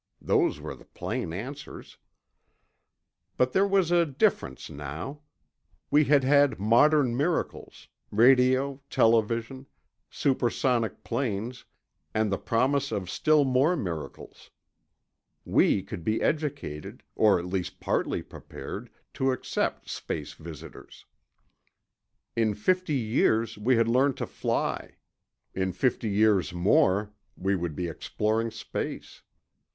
Those were the plain answers. But there was a difference now. We had had modern miracles, radio, television, supersonic planes, and the promise of still more miracles. We could be educated, or at least partly prepared, to accept space visitors. In fifty years we had learned to fly. In fifty years more, we would be exploring space.